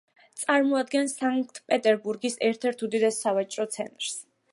წარმოადგენს სანქტ-პეტერბურგის ერთ-ერთ უდიდეს სავაჭრო ცენტრს.